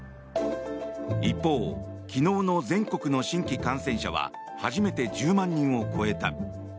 一方、昨日の全国の新規感染者は初めて１０万人を超えた。